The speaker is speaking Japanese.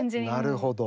なるほど。